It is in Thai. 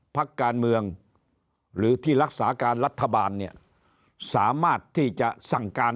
พักการเมืองหรือที่รักษาการรัฐบาลเนี่ยสามารถที่จะสั่งการ